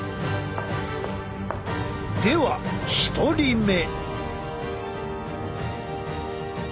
では１人目。